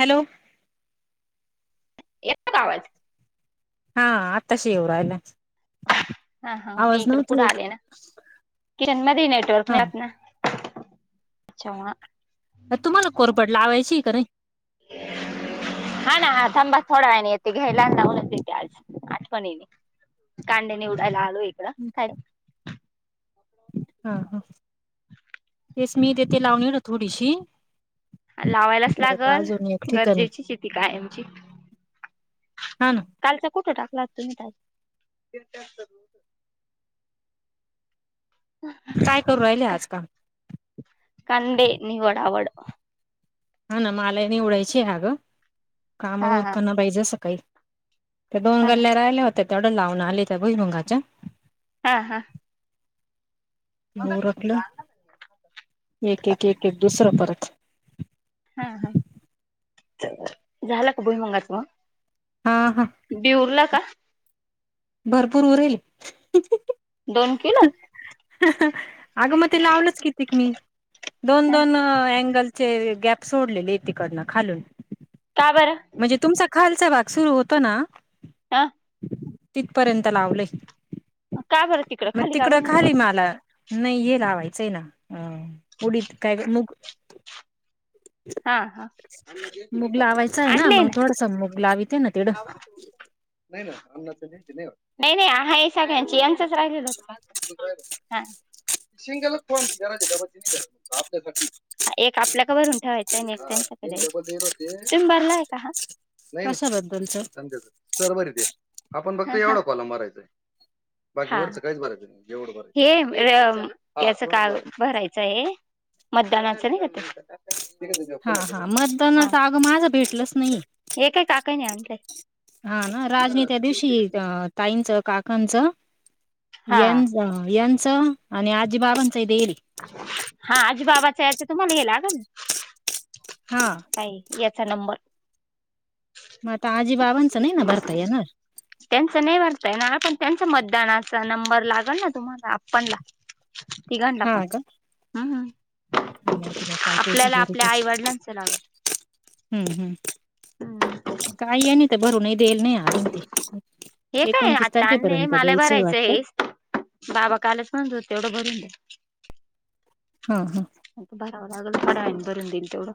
Hello. [unintelligible] हा आताशी येउ राहिलंय. हा हा मी इकड पुढे आले ना किचन मध्ये नेटवर्क नाही येत हा ना. [unintelligible] तुम्हाला कोरपड लावायची का नाही? [inaudible] हा ना थांबा थोड्या वेळानी येते घ्याला लाहाऊ ना तिथे आज आठवणी. कांद्या निउडायला आलो इकडं काय. हा हा, तेच मी तेथे लावले ना थोडीशी. लावायलाच परत लागल अजून एक ठिकाणी गरजेची शेती कायमची. [inaudible] हा ना. कालचा कठो टाकला तु्ी. काय करू राहिले का आज काम कांदे निवड आवड. हा ना मलानेवडायची हगं काम हा हा उरकना पाहिजे सकाळी. त्या दोन हा ना गल्ल्या राहिल्या होत्या तेवढ्या लावून आले त्या भुई मुंग्यांच्या. हा हा. होरखलं एक एक एक एक दुसरं परत. हा हा झाला का बहिमुगाच मग हा हा. बि उरला का? भरपूर उरेल. दोन किलो. [unintelligible] अगं मग ते लावलंच कितीक मी. दोन दोन अँगलचे गॅप सोडलेले एक तीकडनं खालून. का बरं म्हणजे तुमचा खालचा भाग सुरू होतो ना? हा तिथपर्यंत लावलय का बरं मग खाली का तिकडं बरं नाही लावलं खाली माल नाही ये लावायचंय ना अ उडीत काय मुग हा हा मुग लावायचां आहे ना मग थोडस मुग लाविते ना तिकडं [inaudible] नाही ना [unintelligible] [unintelligible] नाही नाही आहे हे सगळ्यांची यायच - राहिलेलं होत [unintelligible] हा सिंगलच फोन करायच डबलच नही कराच आपल्या साठी एक आपल्याक भरून ठेवायचं? सैनिक त्यांच्या कडे तुम्ही भरलाय का हा नाही नाही कशाबद्दलच [unintelligible] सव्हर हाय ते आपण फक्त एवढा कॉलम भरायचाय बाकी वरच काहीच भरायचं नाही हा हे याच का भरायचय मतदानाच नाही का ते हा हा मतदानाच आगं माझं भेटलंच नाही. ए काय काकांनी आणलंय? हा ना राजनी त्या दिवशी ताईंचं काकांचं हा यां- यांचं आणि आजी बाबांच देईली. हा आजीबाबाच आहे ते तुम्हाला हे लागन. हा काय याचा नंबर. म तर आजी बाबाच नाही ना भरता येणार. त्यांच नाही भरता येणार पण त्यांच मतदानाचा नंबर लागन ना तुम्हाला आपाणला. तिघांना पण हम्म ह नाही ते बई काय आपल्याला आपल्या आई [unintelligible] वडिलांच लागल. हम्म हम्म गाई आणि ते भरूनही देल नाही अजून ते हे काय एकोणतीस आता आणलंय तारखेपर्यंत मला द्यायचंय भरायचं वाटतं. हे बाबा कालच म्हणत होते तेवढं भरून द्या हा हा आता भरावं लागल [unintelligible] भरून देईल तेवढं.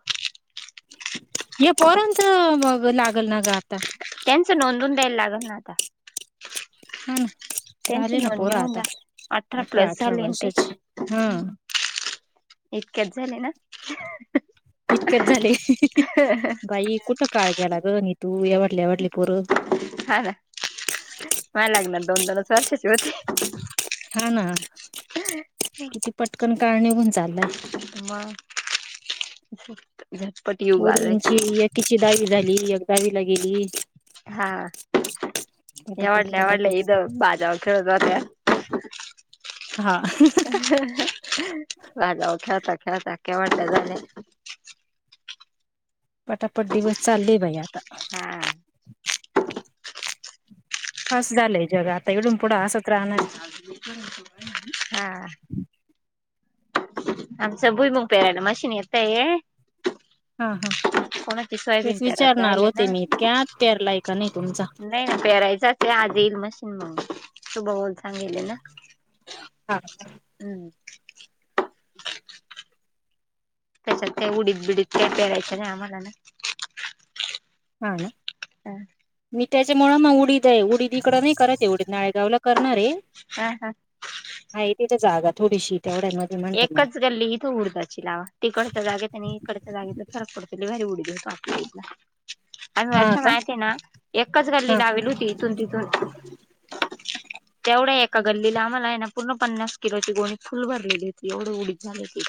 हे पोरांच मग लागल ना ग आता. त्यांच नोंदून द्यायला लागल ना आता. हा ना त्यांची झाले ना नोंदणी पोरं होऊन आता जा अठरा प्लस अठरा झाले ना ते वर्षाचे हा इतक्यात झाले ना इतक्यात झाले. बाई कुठं काळ गेला ग नीतू एवाडली एवाडली पोरं. हा ना मय लागणात दोन दोनच वर्षाची होती. हा ना [unintelligible] किती पटकन काळ निघुन चालला मग [unintelligible] आलाय पोरींची एकीची दहावी झाली एक दहावी ला गेली. हा पटापट यावडलेवडले पटापट इ बाजव- खेळत त्या हा राजगा खेळता खेळता केव्हाडल्या झालाय. पटापट दिवस चाले भाई आता हा हस झालंय जग आता एवढुन पुढं असं हा आमचा भुईमुंग प्यारायला मशीन येतय. हा हा कोणाची सोयाबीन तेच पेरायला विचारणार जायले ना होते मी इतक्यात प्यारलाय का नाही तुमचा नाही ना पेरायचाच आहे आज येईल मशीन मगून तु भवाला सांगीतले ना. हां हम्म त्याच्यात काय उडीत बिडीत काय पेरायचं नाही आम्हाला ना हा ना मी त्याच मुळा न उडी- य उडीद इकडं नाही करायच आहे उडीद नाळेगाव ला करणार आहे. हा हा हा तिथं जागा थोडीशी तेवढ्यान व एकच गल्ली हिथ उडदाची लाव तिकड तर जागेत त्यां इकडच्या जाग फरक पडत घारी उडी देऊन आपला आम्ही हा वरच्या का माहती आहे ना, एकाच गल्ली हा नावेल होती इतुन तीतून तेवढ्या एका गल्लीला आम्हाला आहे ना पूर्ण पन्नास किलो ची गोणी फुल भरलेली होती. एवढ उडीद झाले ति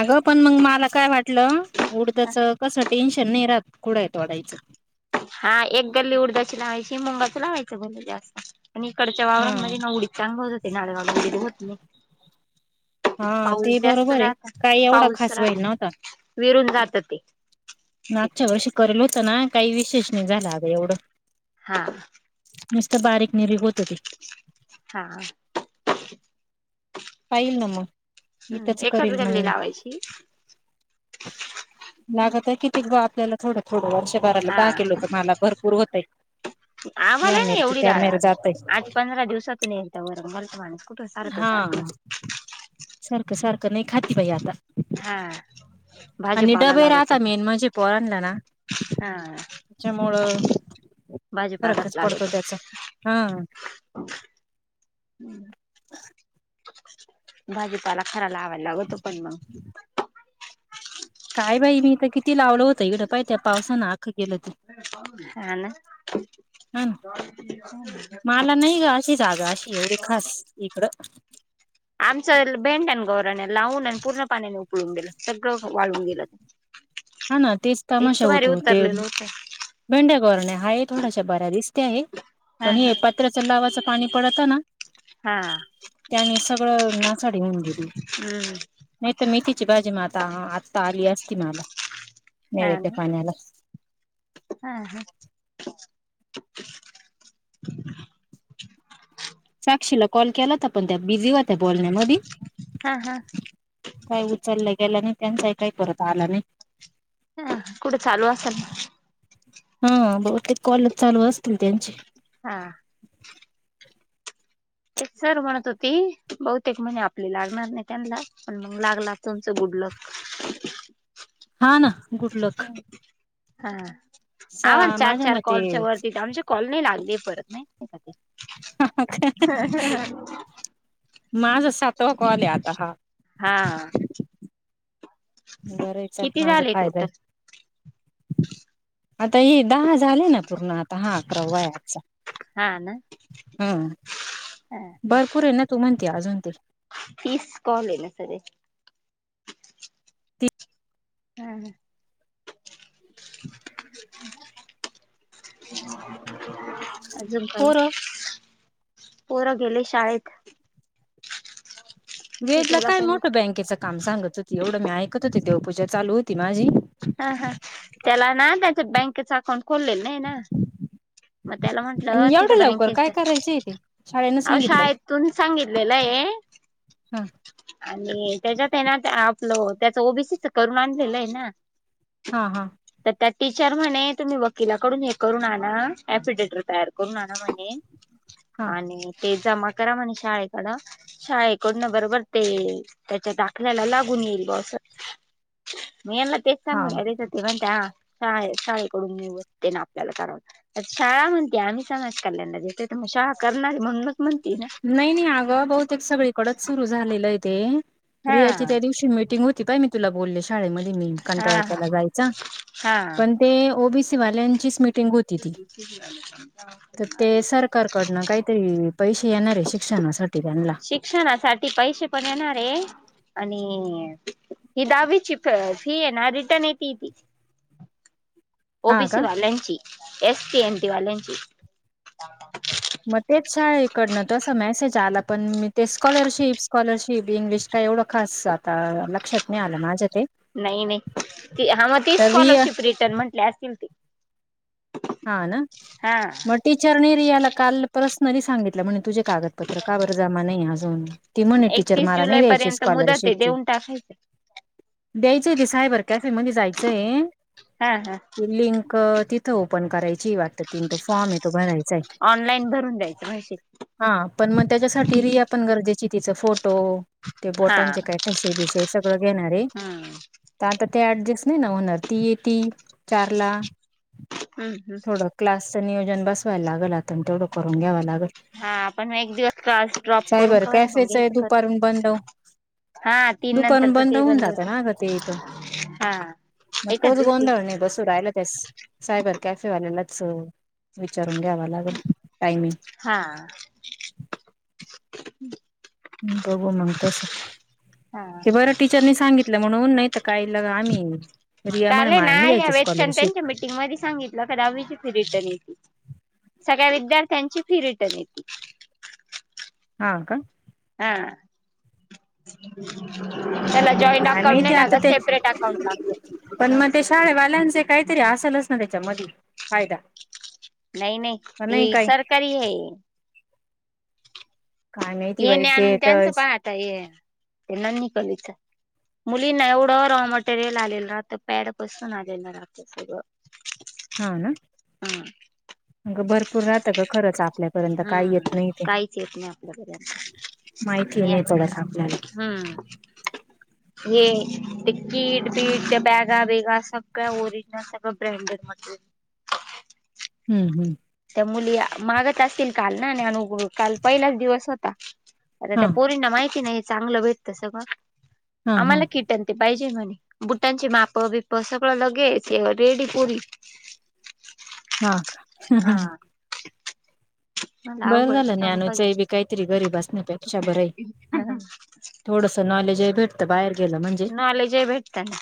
अगं पण मग मला काय वाटलं उडतच कसं टेन्शन नाही राहत कुडाय तोडायच हा एक गल्ली उडदाची लावायची मुंगाचं लावायचं भले जास्त आणि इकडच्या हा वावरांमध्येणजे नावडीत चांग होत होे नाळवाड वगैरे होत नाही. हा ते पाऊस जास्त बरोबर आहे जात काही एवढा खास पाऊसला व्हाईल नव्हता. विरून जात ते मागच्या तिकडं वर्षी करेल होतं ना काही विशेष नाही झाला अगं एवढं हा नुसत बारीक निरग होत ते.. हा पाहिल ना मग, मी हम्म त्याच एकच करील म गल्ली लावायची लागत आहे किती आपल्याला थोडं थोडं वर् शक ारला हा दहा केल हो तर मला भरपूर होतय. आम्हाला या नाही मिरची एवढी त्या डाळ मिर लागत जातय आठ पंधरा दिवसातून एकदा वरण खातो मानूस हा सारखं सारखं नाही खाती बाई आता हा आणि भाजीपाला डबे लागतो राहता मेन म्हणजे पोरांना ना हा त्याच्यामुळं भाजीपालाच फरकच पडतो लागतो. त्याचा हा हम्म भाजीपाला खरा लावायला लागतो पण मग काय बाई मी तर किती लावलो होत. इकडं पाहि त्या पावसानं आख गेलं ते हा ना हा ना मला नाही ग अशी जागा अशी एवढी खास इकडं आमच भेंड आहे गौराण लावून पूर्ण पाण्याने उकळून गेलं सगळं वाळून गेलं. हा ना तेच इतकं तमाशा भारी होतो ते उतरलेलं होतं भेंड्या गोरणे हा आहे थोडाश बऱ्या दिसते आहे हा पण हे हा प कत्रच लावाच पाणी पडत ना. [inaudible] हा त्यानी सगळं नासाडी घेऊन गेली. हम्म नाही तर मेथीची भाजी म आता आत्ता आली असती मला नवेच्या पाण्याला हा हा साक्षीला कॉल केला होता पण त्या बिझी होत्या फोन मध्ये हा. हा. उचलल्या गेला नाही त्यांच काही परत आला नाही. कुठं चालू असेल बहुतेक कॉल चालू असेल त्यांचे हा ते सर म्हणत होतेबहुतेक लागणार नाही. आपल्याला तुमचं गुड लक गुड लक सा आम्हाला चार माझ्या चार मते कॉलच्या वरती कॉल नाही लागले परत माहीत आहे काय ते माझ सातवा कॉल आहे आता हा [unintelligible] हा बरं चाल किती माझा झाले फायदा टोटल आहे. आता दहा झाले पूर्ण आता हा अकरावा आहे. आजचा हा ना हा तु म्हणती अजून तर फीस कॉले ना सर [unintelligible] हह अजून काही. पोरं पोरं गेले शाळेत. वेदला कितवीला काय पण मोठं बँकेचं काम सांगत होती मी ऐकत होती माझी देवपूजा चालू होती. त्याच बँकेच अकाउंट खोललेलं नाही [unintelligible] त्याला म्हंटलं आणि तिच्या एवढं लवकर काय बँकेतच करायचे ते शाळेनं अशा सांगितलंय आहेतेत तु सांगितलेलं हा आणि त्याच्यातत्याच ओबीसीच करून आणलेलं आहे. हा हा टीचर म्हणे तुम्ही वकिलाकडून फिडेटर तयार करू आना हा जमा करा शाळेकडं शाळेकडण बरोबर त्याच्या दाखल्याला लागून येईल मी यांना तेच हा सांगून राहिले ते म्हणता शाळेकडून नाही होत ते आपल्याला करून आणावे लागेल शाळा म्हणते आम्ही समाज कल्याणला येते तर मग शाळा करणार म्हण मग [unintelligible] अगं बहु ते सगळीकडेच सुरू झालेलं आहे रियाची हा त्या दिवशी मिटिंग होती मी तुला बोलले शाळेमध्ये मी कंटाळा हा केला जायचा हा पण ती ओबीसी वाल्यांची मीटिंग स का [unintelligible] शिक्षणासाठी त्यांना. शिक्षणासाठी पैसे पण येणार हे दहावीची फी रिटर्न येते ती हा ओबीसी का वाल्यांची एसएनटी वाल्यांची मग तेच शाळेकडनं तसं मेसेज आला पण स्कॉलरशिप स्कॉलरशिप इंग्लिश एवढं खास लक्षात नाही आलं माझ्या ते नाही नाही ती तर रिया स्कॉलरशिप रिटर्न म्हटली असतील ती हा ना हा मग टीचरने रियाला काल प्रर्सनली सांगितलं कागदपत्र का जमा नाही अजून ती टीचर म्हणे मला स्कॉलरशिप नाही द्यायचे देऊन ठीक आहे. द्यायचं आहे ते साहेबर कॅफे म जायचंय हा हा ते लिंक तिथं पण करायची वाटत तीन तोॉम आहे तो भराय ऑनलाईन भरून द्यायच भाश हा पण मग त्याच्यासाठी री आपण गरजेची तिचं फोटो ते हा बोटांचे काय कसे विषय सगळं घेणार य हम्म तर आता ते ऍडजस्ट नाही ना होणार ती येती चारला हा हा क्लासचं नियोजन बसवायला लागल आता, तेवढं करून घ्यावं लागल. हा आपण एक दिवस क्लास ड्रॉप करून सायबर का होईना? कॅफेच आहे घ्यायचं बंद करून. दुपारून बंद होऊन जातं ना ग ते. हा मग एकाच तोच दिवशी गोंधळ बसू नाही राहियला त्यास. सायबर कॅफेवाल्यालाच विचारून घ्यावा लागल टायमिंग. हा बघू मग तस हा ते बराठी नी सांगितलं म्हणून नाही तर काही ल आम्ही रिया म्हणे कालेय मला नाही या्या द्यायची वेचच्या त्यांच्या स्कॉलरशिप भेटींग मध्ये सांगित आप कदामीवीची फी रिटर्न येते सगळ्या विद्यार्थ्यांची फी रिटर्न येते हा का? आ. त्याला जॉईंट काय अकाउंट माहिती नाही आता लागत, ते सेपरेट अकाउंट लागत पण मग मुलांच. ते शाळेवाल्यांचे काहीतरी असलच ना, त्याच्या मधी फायदा. नाही नाही, का ही काही सरकारी आहे. काय माहिती ये बाई नाही ते आणून तर त्यांचं पाहता ये, त्यांना नाई कलच. मुलीना एवढं रॉ मटेरियल आलेलं राहत. पॅड बसून आलेलं राहतं सगळं. हाव ना? हम्म अग भरपूर राहतं का खरंच, आपल्यापर्यंत काही येत नाही ते. काईच येत नाही आपल्यापर्यंत. माहिती नाही पडत आपल्याला. हूम्म. ये ते कीट बीट, त्या बॅगा बीगा, सगळ वोरिजनल त्या सगळ ब्रँडेड म. हू हू. त्या मुली मागत असतील काल ना आणि अनु काल पहिलाच दिवस होता. आता त्या हा पोरींना माहिती नाही, चांगलं भेटत सगळं हां, हां, आम्हाला कि बुट ते पाहिजे म्हणे बुटांचे माप, बिप सगळं लगेच रेडी पोरी हा का? हा. म बरं अवघडच झालं काम पाजे ज्ञानूचंही बी काहीतरी घरी थोडंस नॉलेज आहे भेट नाले जय भेटतात.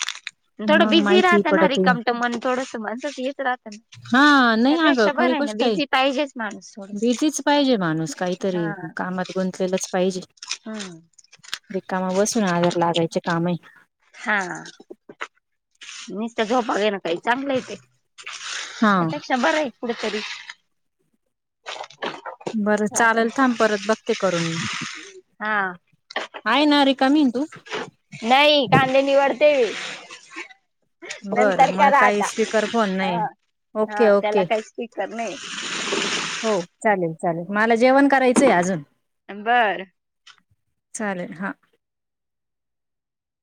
थोडं मग बिझी माहिती राहतं ना, पडते. रिकामट मन थोडस [unintelligible] राहत हां, नाही अगं ना [unintelligible] बर खरी आहे ना, गोष्ट बिझी पाहिजेच माणूस. थोडस. बिझीच पाहिजे माणूस, काहीतरी कामात गुंतलेलाच पाहिजे. हू. रिकाम बसून आजार लागायचे काम ये. हा हा. नुसत झोपा घेण्या ना काही चांगलं हाय ते, हां, त्यापेक्षा बरं हाय कुठतरी बरं चालेल, हा थांब परत बघते करून मी. आहे ना रिका मी तू? नाही कांदे निवडते. नंतर बरं मग करा काही आता. स्पीकर फोन नाही. हा हा. ओके, त्याला ओके. काही स्पीकर नाही. हो चालेल चालेल, मला जेवण करायचंय अजून. बरं. चालेल हा.